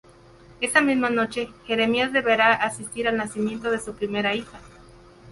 Esa misma noche, Jeremías deberá asistir al nacimiento de su primera hija.